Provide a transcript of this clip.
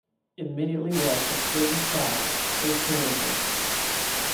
Immediately west of Clayton South is Clarinda.